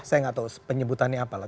saya nggak tahu penyebutannya apalah